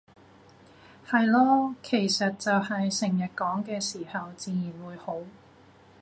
係囉，其實就係成日講嘅時候自然會好